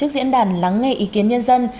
diễn đàn lắng nghe ý kiến nhân dân